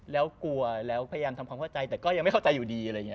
แล้วกลัวแล้วพยายามทำความเข้าใจแต่ก็ยังไม่เข้าใจอยู่ดี